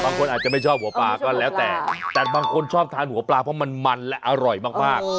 บางคนอาจจะไม่ชอบหัวปลาก็แล้วแต่แต่บางคนชอบทานหัวปลาเพราะมันมันและอร่อยมาก